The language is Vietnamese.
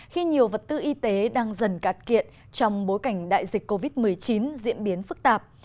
khi nhiều vật tư y tế đang dần cạn kiệt trong bối cảnh đại dịch covid một mươi chín diễn biến phức tạp